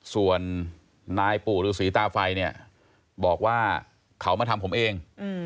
ส่วนน้ายปู่หรือสีตาไฟบอกว่าเขามาทำผมเอง